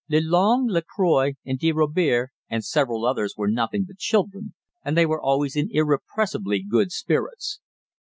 Le Long, La Croix, and de Robiere and several others were nothing but children, and they were always in irrepressibly good spirits.